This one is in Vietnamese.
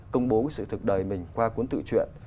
công bố sự thực đời mình qua cuốn tự truyện